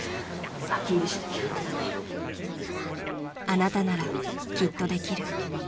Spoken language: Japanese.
［「あなたならきっとできる」］